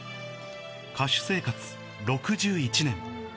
歌手生活６１年。